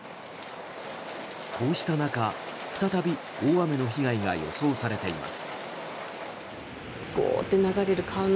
こうした中、再び大雨の被害が予想されています。